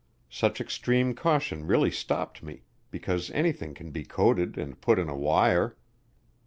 Such extreme caution really stopped me, because anything can be coded and put in a wire.